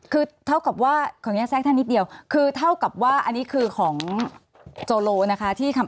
คือเท่ากับว่าขออนุญาตแทรกท่านนิดเดียวคือเท่ากับว่าอันนี้คือของโจโลนะคะที่ทำ